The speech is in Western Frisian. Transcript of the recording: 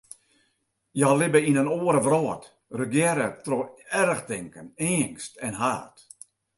Hja libbe yn in oare wrâld, regearre troch erchtinken, eangst en haat.